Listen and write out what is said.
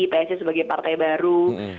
psi sebagai partai baru